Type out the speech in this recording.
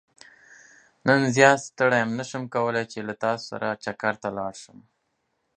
نن زيات ستړى يم نه شم کولاي چې له تاسو سره چکرته لاړ شم.